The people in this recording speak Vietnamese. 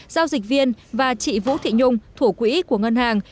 giao dịch viên và chị vũ thị nhung thủ quỹ của ngân hàng